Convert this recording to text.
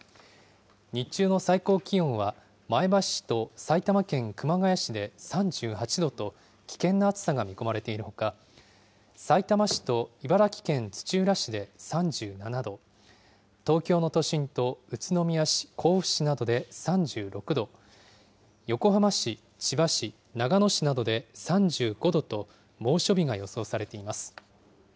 日中の最高気温は、前橋市と埼玉県熊谷市で３８度と、危険な暑さが見込まれているほか、さいたま市と茨城県土浦市で３７度、東京の都心と宇都宮市、甲府市などで３６度、横浜市、千葉市、長野市などで３５度と、猛暑日が予想されています。